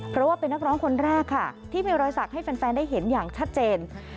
เพราะว่าเป็นนักร้องคนแรกค่ะที่มีรอยสักให้แฟนได้เห็นอย่างชัดเจน